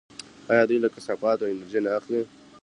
آیا دوی له کثافاتو انرژي نه اخلي؟